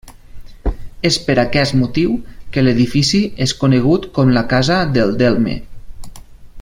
És per aquest motiu que l'edifici és conegut com la casa del Delme.